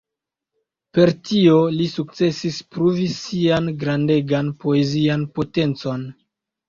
Per tio li sukcesis pruvi sian grandegan poezian potencon.